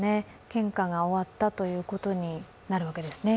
献花が終わったということになるわけですね。